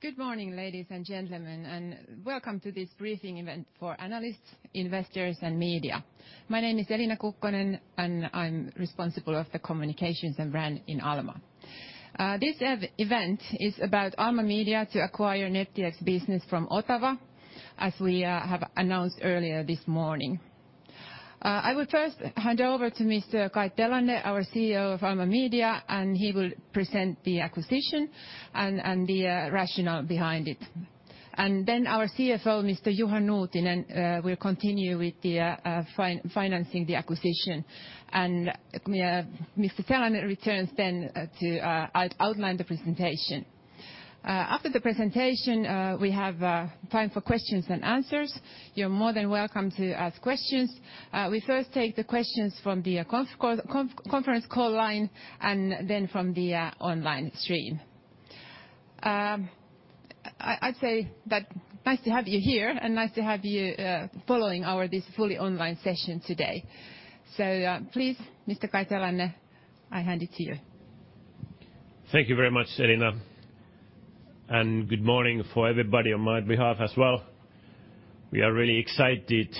Good morning, ladies and gentlemen, and welcome to this briefing event for analysts, investors, and media. My name is Elina Kukkonen. I'm responsible of the communications and brand in Alma. This event is about Alma Media to acquire Nettix business from Otava, as we have announced earlier this morning. I will first hand over to Mr. Kai Telanne, our CEO of Alma Media. He will present the acquisition and the rationale behind it. Then our CFO, Mr. Juha Nuutinen, will continue with financing the acquisition. Mr. Telanne returns then to outline the presentation. After the presentation, we have time for questions and answers. You're more than welcome to ask questions. We first take the questions from the conference call line and then from the online stream. I'd say that nice to have you here. Nice to have you following our this fully online session today. Please, Mr. Kai Telanne, I hand it to you. Thank you very much, Elina. Good morning for everybody on my behalf as well. We are really excited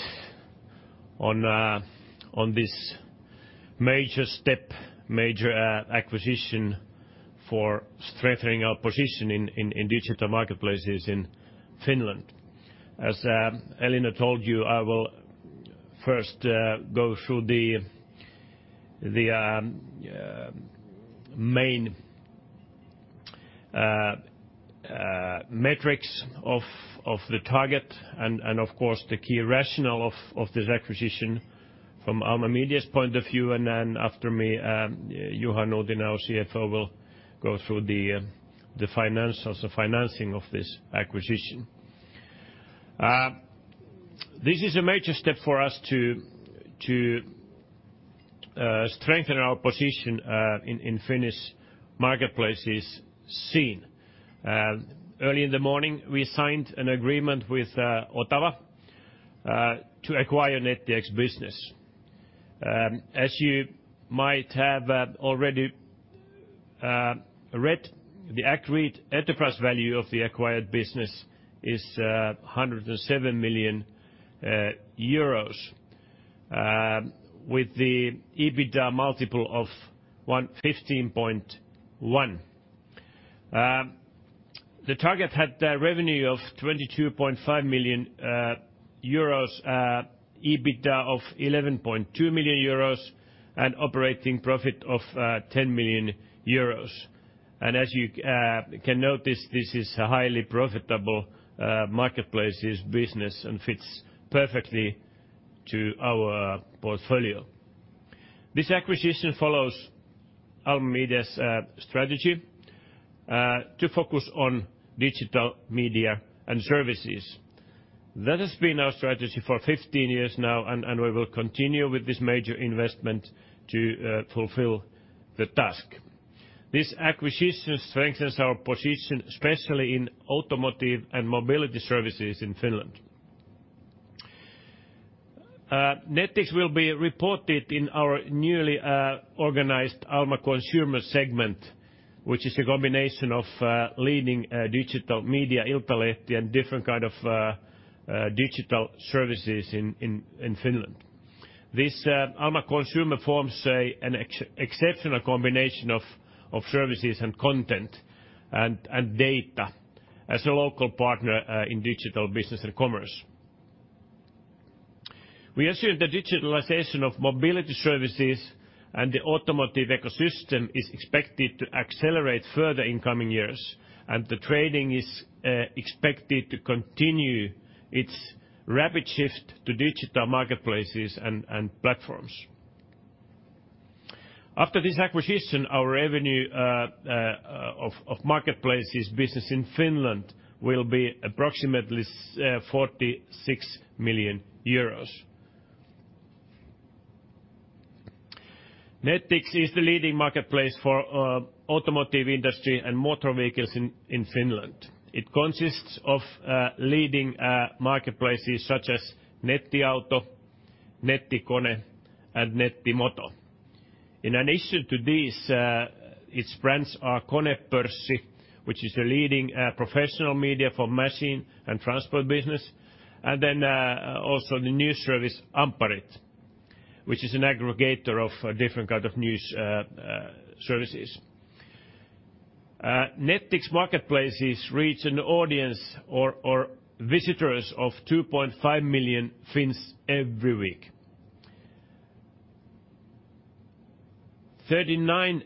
on this major step, major acquisition for strengthening our position in digital marketplaces in Finland. As Elina told you, I will first go through the main metrics of the target and of course, the key rationale of this acquisition from Alma Media's point of view. Then after me, Juha Nuutinen, our CFO, will go through the financials, the financing of this acquisition. This is a major step for us to strengthen our position in Finnish marketplaces scene. Early in the morning, we signed an agreement with Otava to acquire Nettix business. As you might have already read, the accurate enterprise value of the acquired business is 107 million euros, with the EBITDA multiple of 115.1x. The target had a revenue of 22.5 million euros, EBITDA of 11.2 million euros, and operating profit of 10 million euros. As you can notice, this is a highly profitable marketplaces business and fits perfectly to our portfolio. This acquisition follows Alma Media's strategy to focus on digital media and services. That has been our strategy for 15 years now, and we will continue with this major investment to fulfill the task. This acquisition strengthens our position, especially in automotive and mobility services in Finland. Nettix will be reported in our newly organized Alma Consumer segment, which is a combination of leading digital media, Iltalehti, and different kind of digital services in Finland. This Alma Consumer forms an exceptional combination of services and content and data as a local partner in digital business and commerce. We assume the digitalization of mobility services and the automotive ecosystem is expected to accelerate further in coming years. The trading is expected to continue its rapid shift to digital marketplaces and platforms. After this acquisition, our revenue of marketplaces business in Finland will be approximately EUR 46 million. Nettix is the leading marketplace for automotive industry and motor vehicles in Finland. It consists of leading marketplaces such as Nettiauto, Nettikone, and Nettimoto. In addition to these, its brands are Konepörssi, which is a leading professional media for machine and transport business, and then also the news service, Ampparit, which is an aggregator of different kind of news services. Nettix marketplaces reach an audience or visitors of 2.5 million Finns every week. 39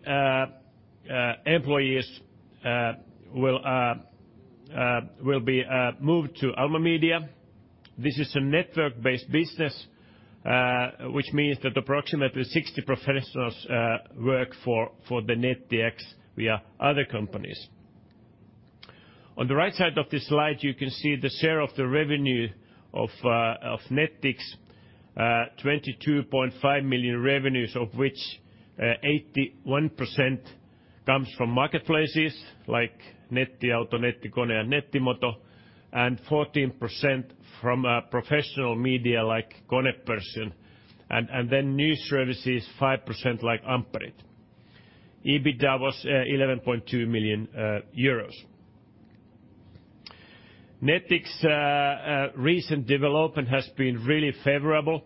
employees will be moved to Alma Media. This is a network-based business, which means that approximately 60 professionals work for the Nettix via other companies. On the right side of this slide, you can see the share of the revenue of Nettix, 22.5 million in revenues, of which 81% comes from marketplaces like Nettiauto, Nettikone, and Nettimoto. 14% from professional media like Konepörssi. News services 5%, like Ampparit. EBITDA was 11.2 million euros. Nettix's recent development has been really favorable.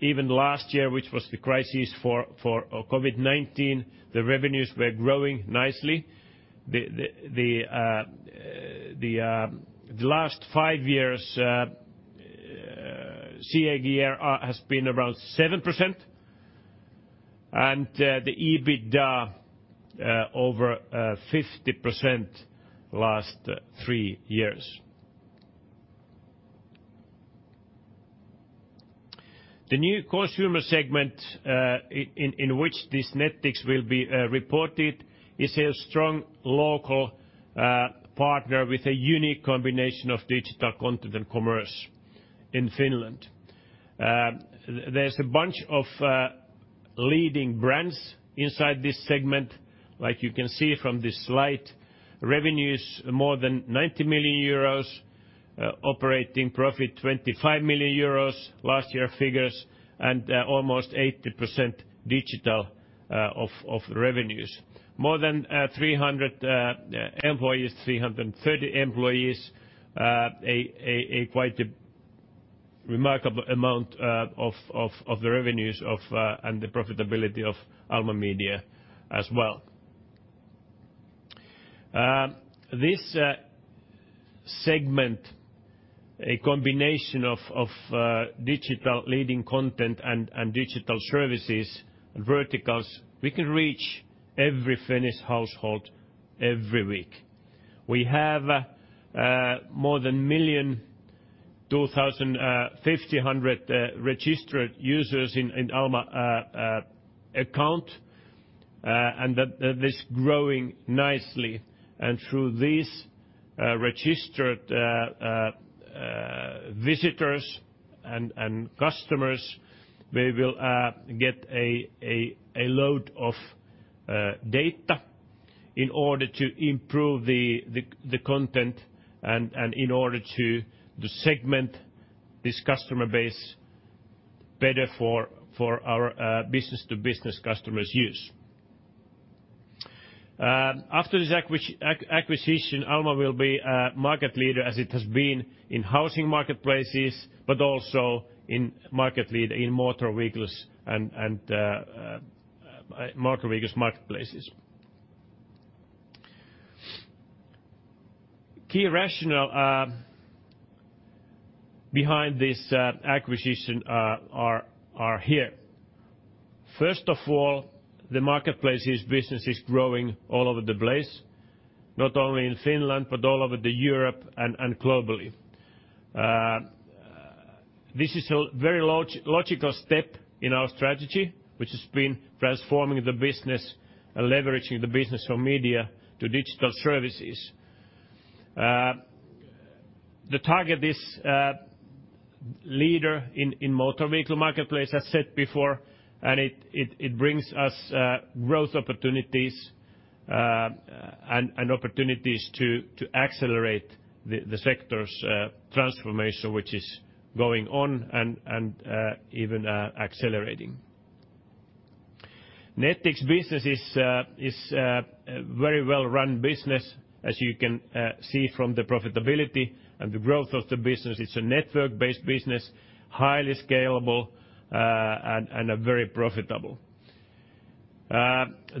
Even last year, which was the crisis for COVID-19, the revenues were growing nicely. The last five years, CAGR has been around 7%, and the EBITDA over 50% last three years. The new Consumer segment in which this Nettix will be reported is a strong local partner with a unique combination of digital content and commerce in Finland. There's a bunch of leading brands inside this segment, like you can see from this slide. Revenues more than 90 million euros, operating profit 25 million euros, last year figures, and almost 80% digital of revenues. More than 300 employees, 330 employees, a quite remarkable amount of the revenues and the profitability of Alma Media as well. This segment, a combination of digital leading content and digital services and verticals, we can reach every Finnish household every week. We have more than 1,025,500 registered users in Alma Account, that is growing nicely. Through these registered visitors and customers, we will get a load of data in order to improve the content and in order to segment this customer base better for our business-to-business customers' use. After this acquisition, Alma will be a market leader as it has been in housing marketplaces, but also a market leader in motor vehicles and motor vehicles marketplaces. Key rationale behind this acquisition are here. First of all, the marketplaces business is growing all over the place, not only in Finland, but all over Europe and globally. This is a very logical step in our strategy, which has been transforming the business and leveraging the business from media to digital services. The target is leader in motor vehicle marketplace, as said before. It brings us growth opportunities and opportunities to accelerate the sector's transformation, which is going on and even accelerating. Nettix business is a very well-run business, as you can see from the profitability and the growth of the business. It's a network-based business, highly scalable, and very profitable.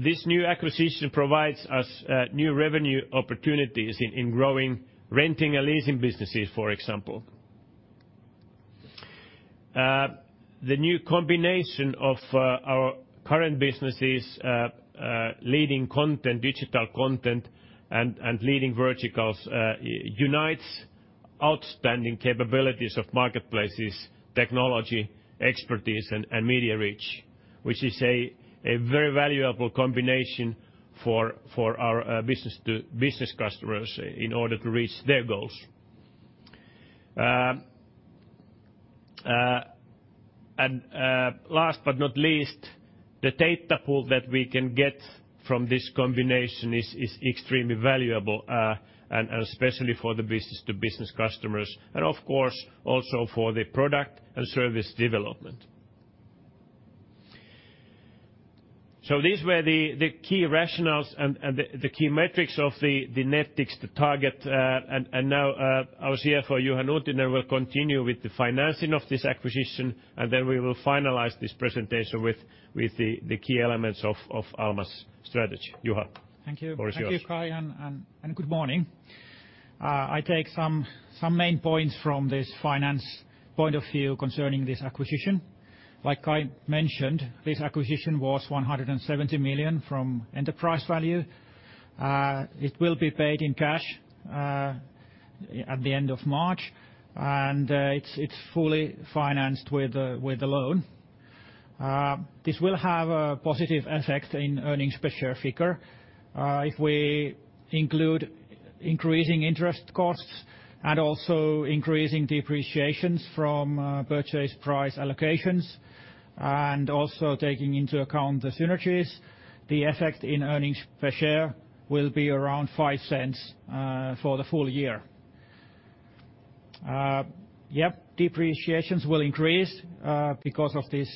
This new acquisition provides us new revenue opportunities in growing renting and leasing businesses, for example. The new combination of our current businesses, leading content, digital content, and leading verticals, unites outstanding capabilities of marketplaces, technology, expertise, and media reach, which is a very valuable combination for our business-to-business customers in order to reach their goals. Last but not least, the data pool that we can get from this combination is extremely valuable and especially for the business-to-business customers and, of course, also for the product and service development. These were the key rationales and the key metrics of the Nettix, the target. Now, our CFO, Juha Nuutinen, will continue with the financing of this acquisition, and then we will finalize this presentation with the key elements of Alma's strategy. Juha. Thank you. Floor is yours. Thank you, Kai. Good morning. I take some main points from this finance point of view concerning this acquisition. Like Kai mentioned, this acquisition was 170 million from enterprise value. It will be paid in cash at the end of March. It is fully financed with a loan. This will have a positive effect in earnings per share figure. If we include increasing interest costs and also increasing depreciations from purchase price allocations and also taking into account the synergies, the effect in earnings per share will be around 0.05 for the full year. Yes, depreciations will increase because of these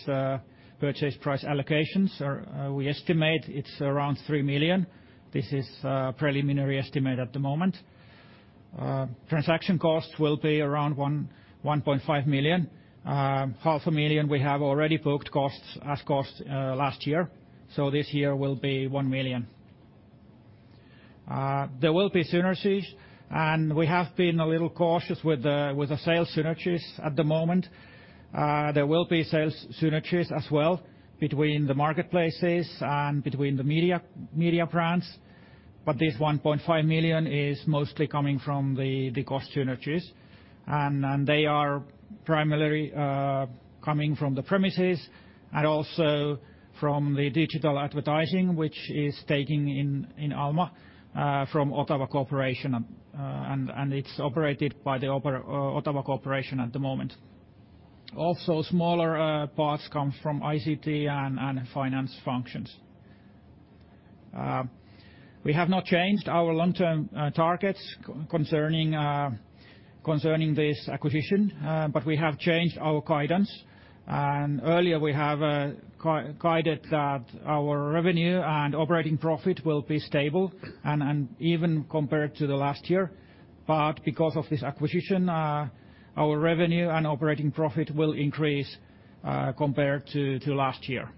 purchase price allocations. We estimate it is around 3 million. This is a preliminary estimate at the moment. Transaction cost will be around 1.5 million. 500,000, we have already booked as costs last year. This year will be 1 million. There will be synergies. We have been a little cautious with the sales synergies at the moment. There will be sales synergies as well between the marketplaces and between the media brands. This 1.5 million is mostly coming from the cost synergies, and they are primarily coming from the premises and also from the digital advertising, which is taking in Alma from Otava Corporation, and it's operated by the Otava Corporation at the moment. Also, smaller parts come from ICT and finance functions. We have not changed our long-term targets concerning this acquisition. We have changed our guidance. Earlier we have guided that our revenue and operating profit will be stable and even compared to the last year. Because of this acquisition, our revenue and operating profit will increase compared to last year.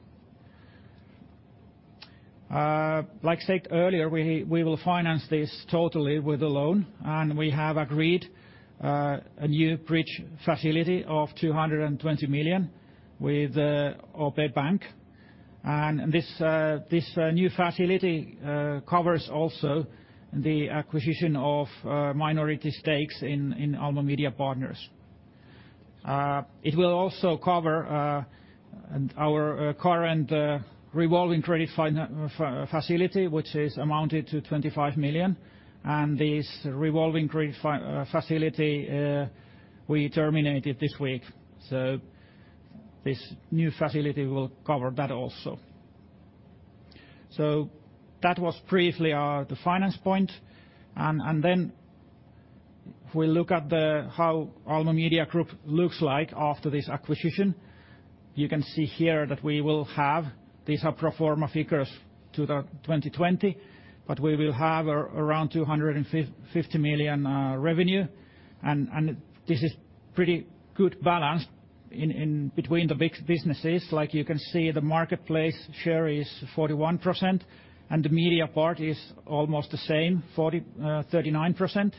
Like I said earlier, we will finance this totally with a loan, and we have agreed a new bridge facility of 220 million with OP Bank. This new facility covers also the acquisition of minority stakes in Alma Mediapartners. It will also cover our current revolving credit facility, which is amounted to 25 million, and this revolving credit facility we terminated this week. This new facility will cover that also. That was briefly the finance point. If we look at how Alma Media Group looks like after this acquisition. You can see here that we will have, these are pro forma figures to the 2020, but we will have around 250 million revenue, and this is pretty good balance in between the big businesses. Like you can see, the marketplace share is 41%, and the media part is almost the same, 39%.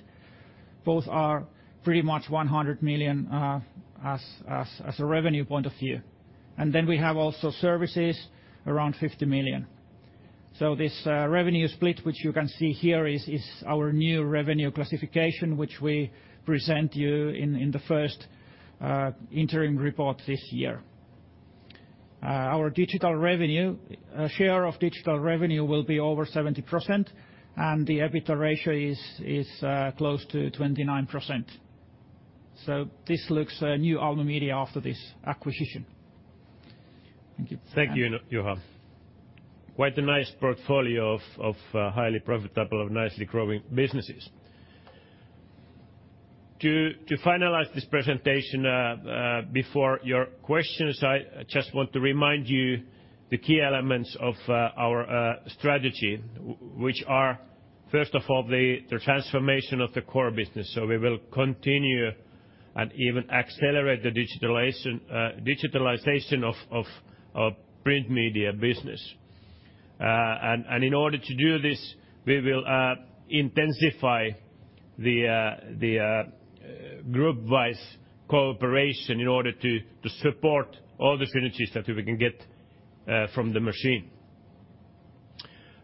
Both are pretty much 100 million as a revenue point of view. We have also services around 50 million. This revenue split, which you can see here, is our new revenue classification, which we present you in the first interim report this year. Our share of digital revenue will be over 70%, and the EBITDA ratio is close to 29%. This looks new Alma Media after this acquisition. Thank you. Thank you, Juha. Quite a nice portfolio of highly profitable, nicely growing businesses. To finalize this presentation before your questions, I just want to remind you the key elements of our strategy, which are, first of all, the transformation of the core business. We will continue and even accelerate the digitalization of print media business. In order to do this, we will intensify the group-wise cooperation in order to support all the synergies that we can get from the machine.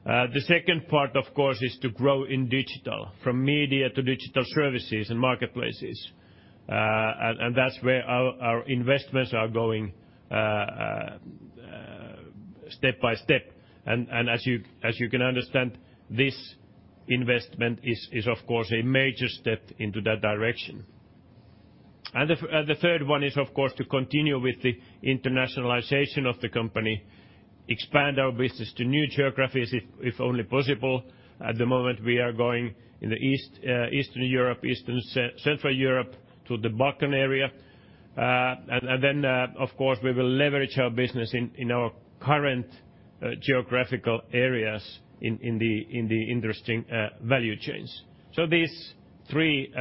The second part, of course, is to grow in digital, from media to digital services and marketplaces. That's where our investments are going step by step. As you can understand, this investment is, of course, a major step into that direction. The third one is, of course, to continue with the internationalization of the company, expand our business to new geographies, if only possible. At the moment, we are going in the Eastern Europe, Eastern Central Europe to the Balkan area. Of course, we will leverage our business in our current geographical areas in the interesting value chains. These three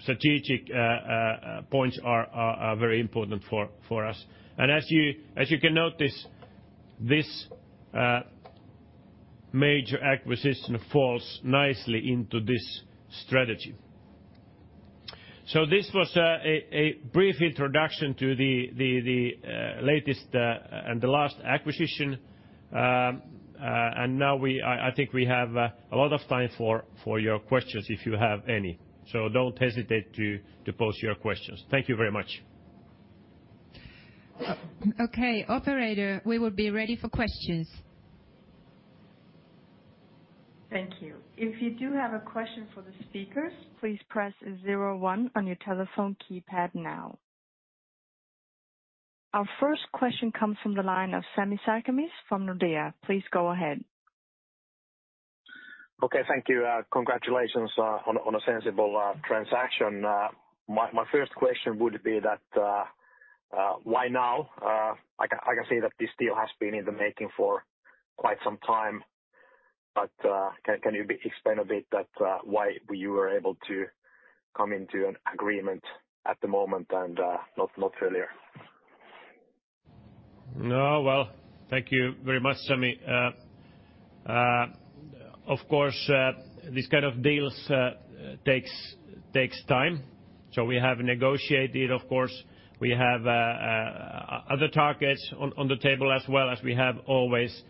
strategic points are very important for us. As you can notice, this major acquisition falls nicely into this strategy. This was a brief introduction to the latest and the last acquisition. I think we have a lot of time for your questions if you have any. Don't hesitate to pose your questions. Thank you very much. Okay. Operator, we will be ready for questions. Thank you. If you do have a question for the speakers, please press zero one on your telephone keypad now. Our first question comes from the line of Sami Sarkamies from Nordea. Please go ahead. Okay. Thank you. Congratulations on a sensible transaction. My first question would be why now? I can see that this deal has been in the making for quite some time. Can you explain a bit why you were able to come into an agreement at the moment and not earlier? Well, thank you very much, Sami. Of course, this kind of deals takes time. We have negotiated, of course. We have other targets on the table as well as we have always.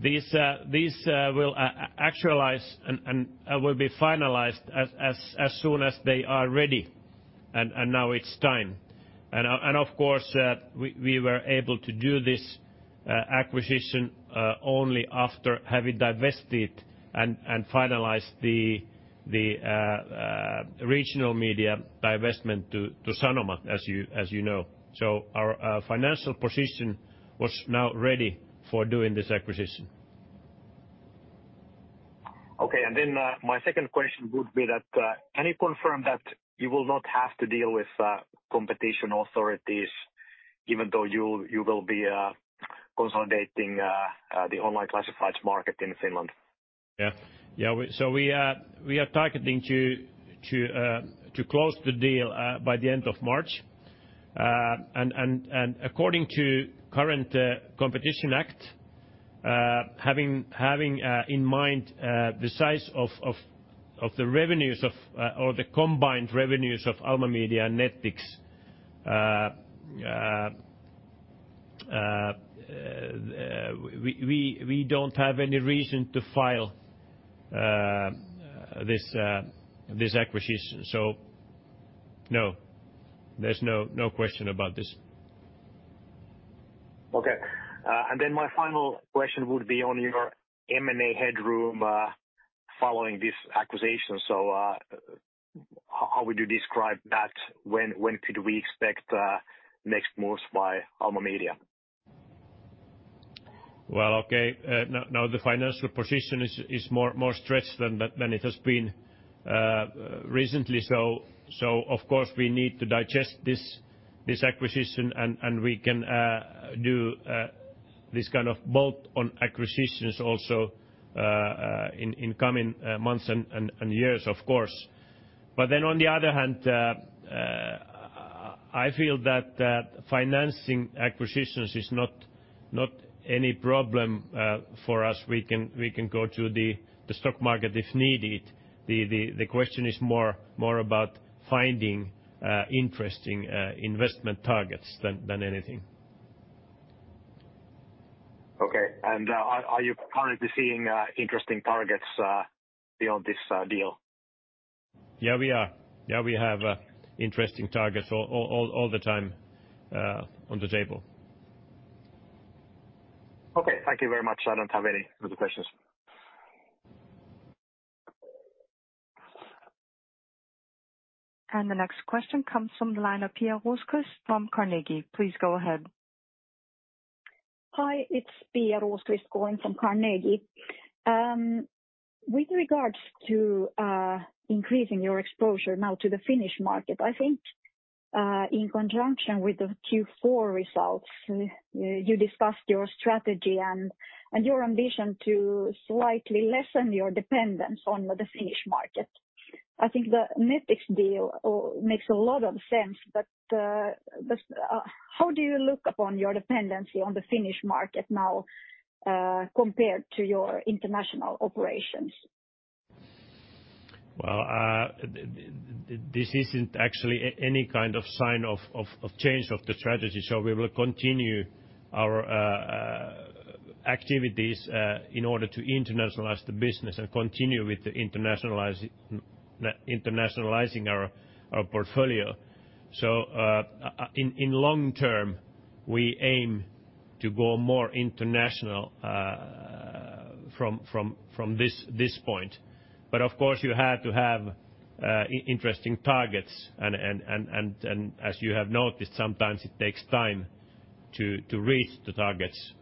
These will actualize and will be finalized as soon as they are ready. Now it's time. Of course, we were able to do this acquisition, only after having divested and finalized the regional media divestment to Sanoma, as you know. Our financial position was now ready for doing this acquisition. Okay. My second question would be that, can you confirm that you will not have to deal with competition authorities even though you will be consolidating the online classifieds market in Finland? Yeah. We are targeting to close the deal by the end of March. According to current Competition Act having in mind the size of the revenues of or the combined revenues of Alma Media and Nettix, we don't have any reason to file this acquisition. No, there's no question about this. Okay. My final question would be on your M&A headroom following this acquisition. How would you describe that? When could we expect next moves by Alma Media? Well, okay. Now the financial position is more stretched than it has been recently. Of course, we need to digest this acquisition, and we can do this kind of bolt-on acquisitions also in coming months and years, of course. On the other hand, I feel that financing acquisitions is not any problem for us. We can go to the stock market if needed. The question is more about finding interesting investment targets than anything. Okay. Are you currently seeing interesting targets beyond this deal? Yeah, we are. We have interesting targets all the time on the table. Okay. Thank you very much. I don't have any other questions. The next question comes from the line of Pia Rosqvist from Carnegie. Please go ahead. Hi, it's Pia Rosqvist calling from Carnegie. With regards to increasing your exposure now to the Finnish market, I think, in conjunction with the Q4 results, you discussed your strategy and your ambition to slightly lessen your dependence on the Finnish market. I think the Nettix deal makes a lot of sense. How do you look upon your dependency on the Finnish market now, compared to your international operations? Well, this isn't actually any kind of sign of change of the strategy. We will continue our activities in order to internationalize the business and continue with internationalizing our portfolio. In long-term, we aim to go more international from this point. Of course, you have to have interesting targets and as you have noticed, sometimes it takes time to reach the targets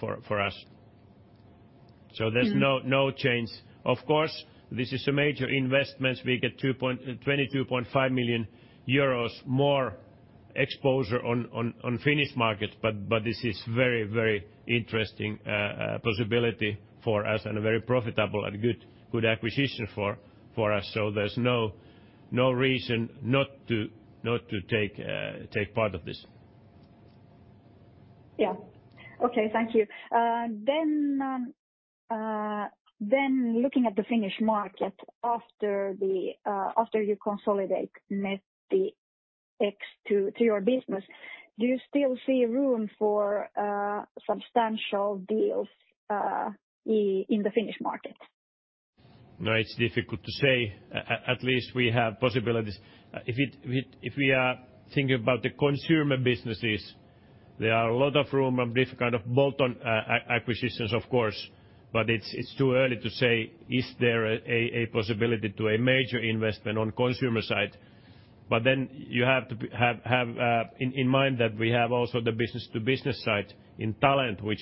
for us. There's no change. Of course, this is a major investment. We get 22.5 million euros more exposure on Finnish market, but this is very interesting possibility for us, and a very profitable and good acquisition for us. There's no reason not to take part of this. Yeah. Okay. Thank you. Looking at the Finnish market after you consolidate Nettix to your business, do you still see room for substantial deals in the Finnish market? No, it's difficult to say. At least we have possibilities. If we are thinking about the Consumer businesses, there are a lot of room for different kind of bolt-on acquisitions, of course, but it's too early to say if there is a possibility for a major investment on the Consumer side. You have to have in mind that we have also the business-to-business side in talent, where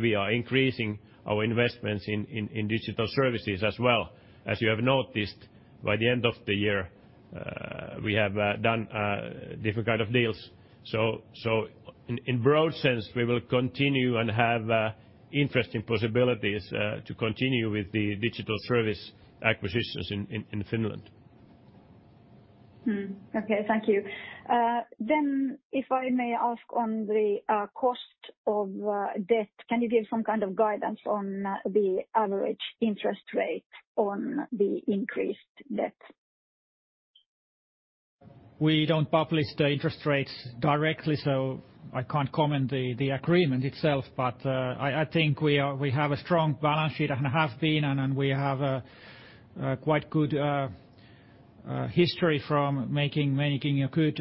we are increasing our investments in digital services as well. As you have noticed, by the end of the year, we have done different kind of deals. In broad sense, we will continue and have interesting possibilities to continue with the digital service acquisitions in Finland. Okay, thank you. If I may ask on the cost of debt, can you give some kind of guidance on the average interest rate on the increased debt? We don't publish the interest rates directly, so I can't comment the agreement itself. I think we have a strong balance sheet and we have a quite good history from making a good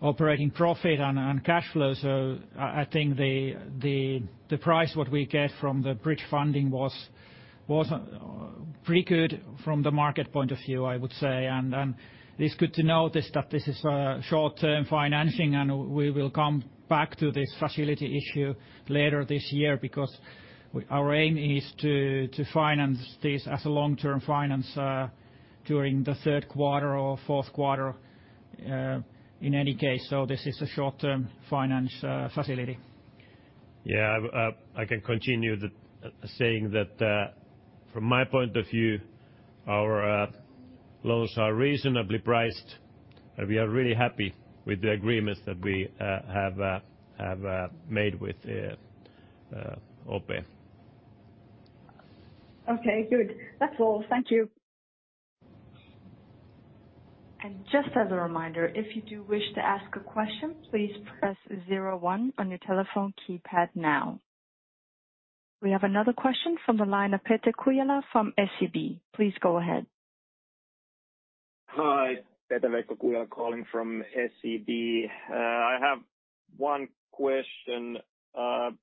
operating profit and cash flow. I think the price what we get from the bridge funding was pretty good from the market point of view, I would say. It's good to notice that this is a short-term financing and we will come back to this facility issue later this year because our aim is to finance this as a long-term finance, during the third quarter or fourth quarter, in any case. This is a short-term finance facility. Yeah. I can continue saying that from my point of view, our loans are reasonably priced, and we are really happy with the agreements that we have made with OP. Okay, good. That's all. Thank you. Just as a reminder, if you do wish to ask a question, please press zero one on your telephone keypad now. We have another question from the line of Pete Kujala from SEB. Please go ahead. Hi, Pete-Veikko Kujala calling from SEB. I have one question.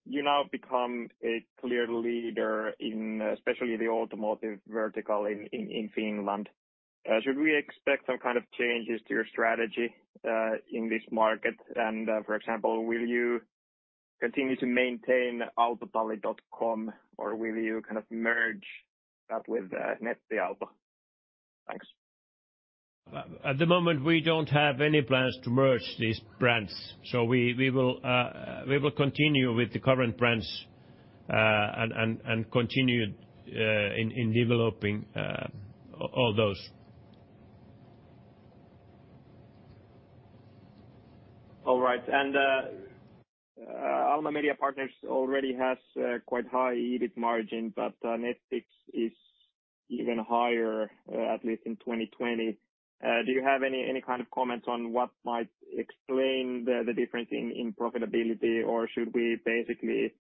You now become a clear leader in especially the automotive vertical in Finland. Should we expect some kind of changes to your strategy, in this market? For example, will you continue to maintain Autotalli.com or will you kind of merge that with Nettiauto? Thanks. At the moment, we don't have any plans to merge these brands. We will continue with the current brands, and continue in developing all those. All right. Alma Mediapartners already has quite high EBIT margin, but Nettix is even higher, at least in 2020. Do you have any kind of comments on what might explain the difference in profitability or should we basically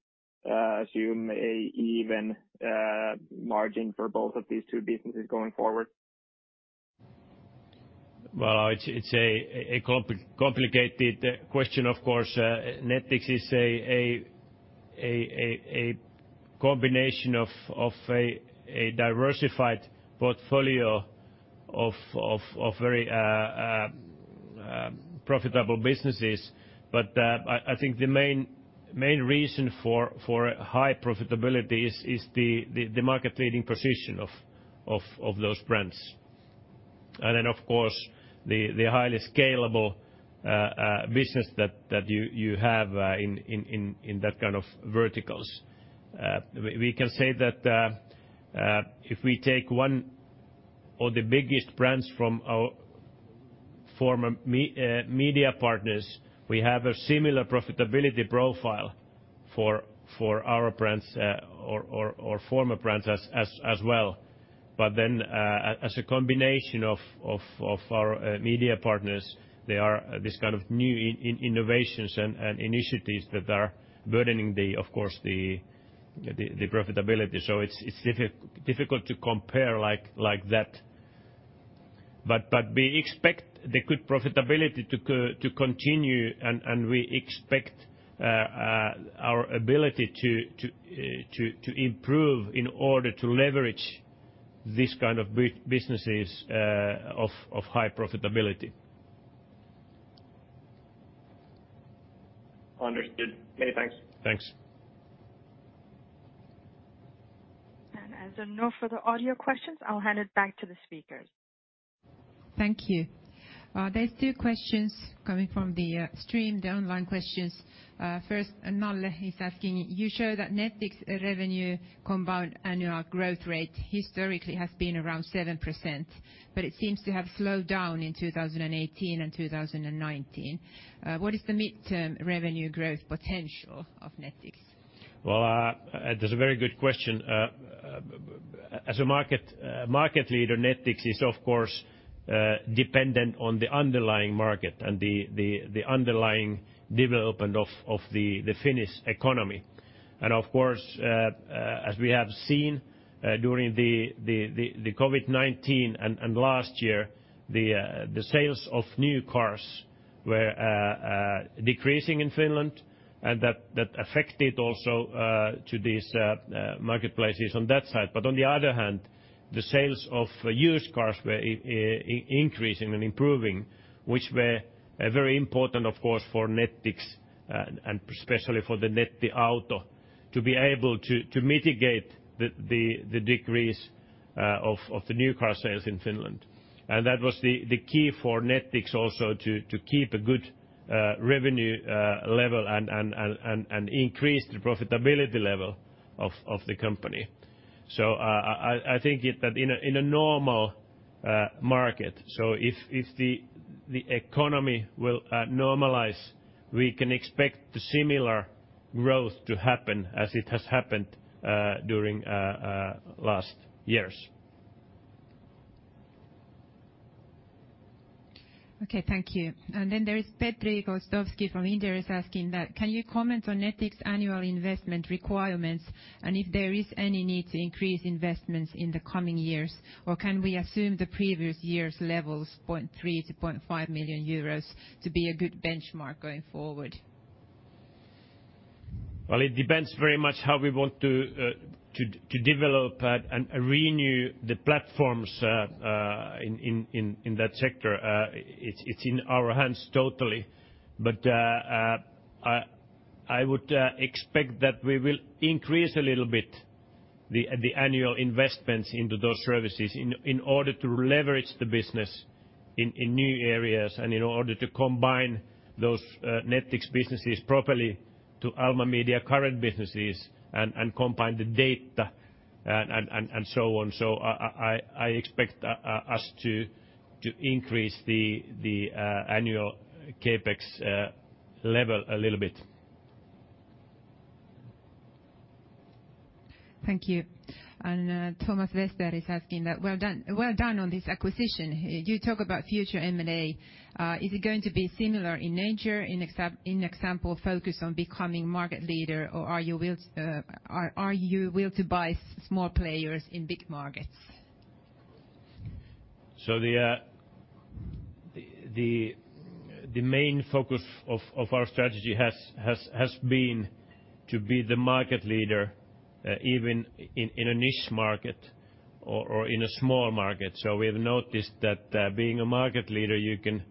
assume an even margin for both of these two businesses going forward? Well, it's a complicated question, of course. Nettix is a combination of a diversified portfolio of very profitable businesses. I think the main reason for high profitability is the market leading position of those brands. Of course, the highly scalable business that you have in that kind of verticals. We can say that if we take one of the biggest brands from our former media partners, we have a similar profitability profile for our brands or former brands as well. As a combination of our media partners, there are this kind of new innovations and initiatives that are burdening, of course, the profitability. It's difficult to compare like that. We expect the good profitability to continue, and we expect our ability to improve in order to leverage this kind of businesses of high profitability. Understood. Okay, thanks. Thanks. As there are no further audio questions, I'll hand it back to the speakers. Thank you. There's two questions coming from the stream, the online questions. First, Nalle is asking, you show that Nettix revenue compound annual growth rate historically has been around 7%, but it seems to have slowed down in 2018 and 2019. What is the midterm revenue growth potential of Nettix? Well, that's a very good question. As a market leader, Nettix is of course dependent on the underlying market and the underlying development of the Finnish economy. Of course, as we have seen during the COVID-19 and last year. The sales of new cars were decreasing in Finland and that affected also to these marketplaces on that side. On the other hand, the sales of used cars were increasing and improving, which were very important, of course, for Nettix and especially for the Nettiauto to be able to mitigate the decrease of the new car sales in Finland. That was the key for Nettix also to keep a good revenue level and increase the profitability level of the company. I think that in a normal market, so if the economy will normalize, we can expect the similar growth to happen as it has happened during last years. Okay, thank you. There is Petri Gostowski from Inderes asking that, "Can you comment on Nettix' annual investment requirements and if there is any need to increase investments in the coming years? Or can we assume the previous year's levels, 0.3 million-0.5 million euros, to be a good benchmark going forward? Well, it depends very much how we want to develop and renew the platforms in that sector. It's in our hands totally. I would expect that we will increase a little bit, the annual investments into those services in order to leverage the business in new areas and in order to combine those Nettix businesses properly to Alma Media current businesses and combine the data and so on. I expect us to increase the annual CapEx level a little bit. Thank you. Thomas Westerholm is asking that, "Well done on this acquisition. You talk about future M&A. Is it going to be similar in nature, for example, focus on becoming market leader, or are you willing to buy small players in big markets? The main focus of our strategy has been to be the market leader, even in a niche market or in a small market. We have noticed that being a market leader, you can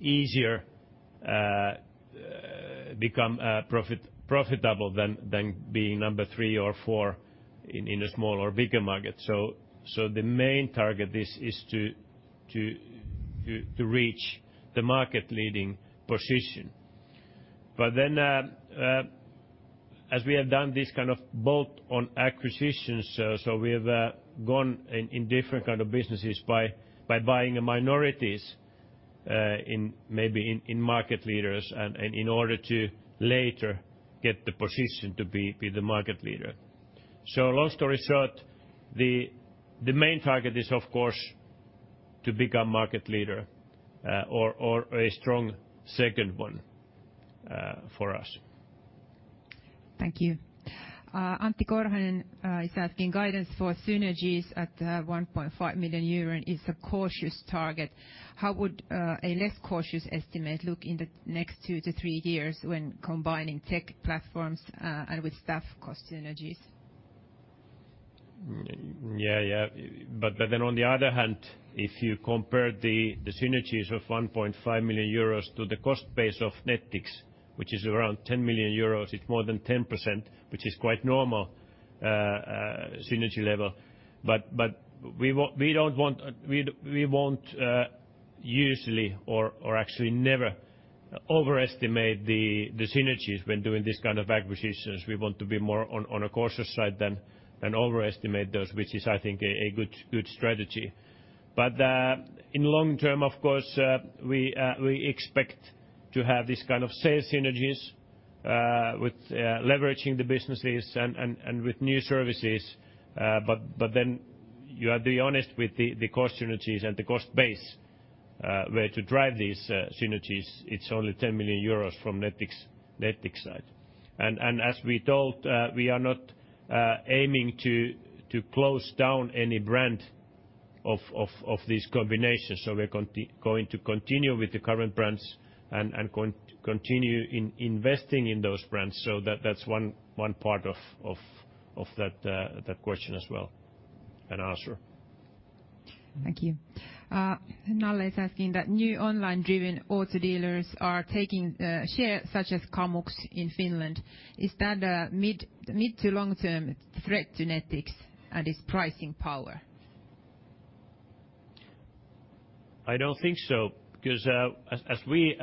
easier become profitable than being number three or four in a small or bigger market. The main target is to reach the market leading position. As we have done this kind of bolt-on acquisitions, we have gone in different kind of businesses by buying minorities maybe in market leaders and in order to later get the position to be the market leader. Long story short, the main target is, of course, to become market leader or a strong second one for us. Thank you. Antti Korhonen is asking, "Guidance for synergies at 1.5 million euro is a cautious target. How would a less cautious estimate look in the next two to three years when combining tech platforms and with staff cost synergies? Yeah. On the other hand, if you compare the synergies of 1.5 million euros to the cost base of Nettix, which is around 10 million euros, it's more than 10%, which is quite normal synergy level. We won't usually or actually never overestimate the synergies when doing this kind of acquisitions. We want to be more on a cautious side than overestimate those, which is, I think, a good strategy. In long term, of course, we expect to have this kind of sales synergies with leveraging the businesses and with new services. You have to be honest with the cost synergies and the cost base, where to drive these synergies, it's only 10 million euros from Nettix side. As we told, we are not aiming to close down any brand of this combination. We're going to continue with the current brands and continue investing in those brands. That's one part of that question as well, an answer. Thank you. Nalle is asking that, "New online-driven auto dealers are taking share such as Kamux in Finland. Is that a mid to long term threat to Nettix and its pricing power? I don't think so, because as we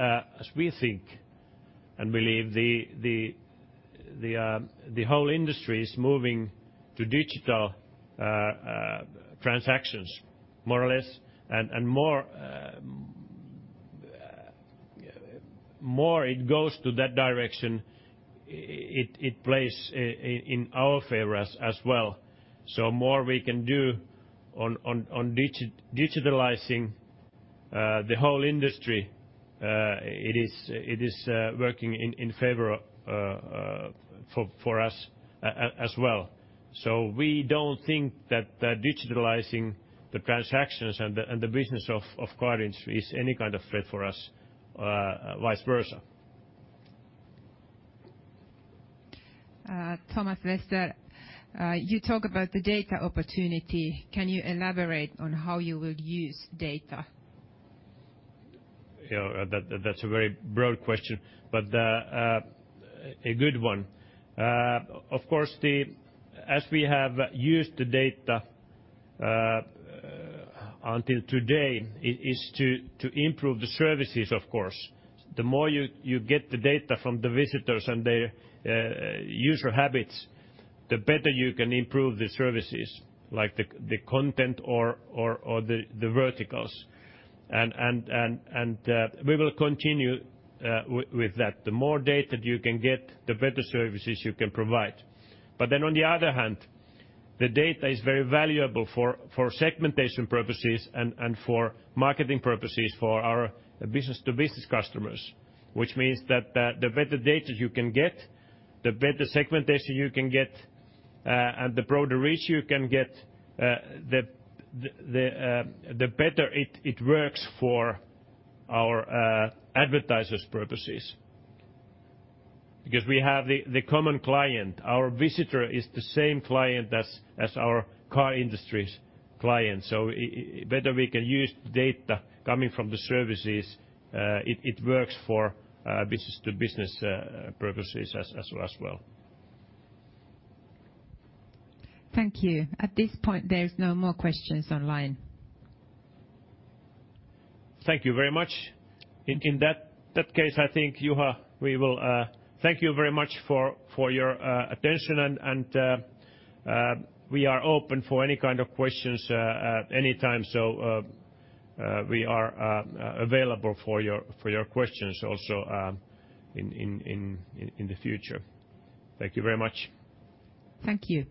think and believe the whole industry is moving to digital transactions more or less, and more it goes to that direction, it plays in our favor as well. More we can do on digitalizing the whole industry is working in favor for us as well. We don't think that digitalizing the transactions and the business of car industry is any kind of threat for us, vice versa. Thomas Westerholm. You talk about the data opportunity. Can you elaborate on how you will use data? Yeah. That's a very broad question, but a good one. Of course, as we have used the data until today is to improve the services, of course. The more you get the data from the visitors and their user habits, the better you can improve the services, like the content or the verticals. We will continue with that. The more data you can get, the better services you can provide. On the other hand, the data is very valuable for segmentation purposes and for marketing purposes for our business-to-business customers, which means that the better data you can get, the better segmentation you can get, and the broader reach you can get, the better it works for our advertisers' purposes. We have the common client. Our visitor is the same client as our car industry's client. Better we can use the data coming from the services, it works for business-to-business purposes as well. Thank you. At this point, there is no more questions online. Thank you very much. In that case, I think, Juha, we will thank you very much for your attention, and we are open for any kind of questions at any time. We are available for your questions also in the future. Thank you very much. Thank you.